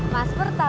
mas pur tahu aja